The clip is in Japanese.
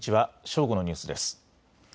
正午のニュースです。